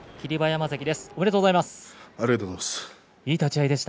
おめでとうございます。